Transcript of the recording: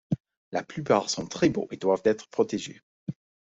La plupart sont très beaux et doivent être protégés.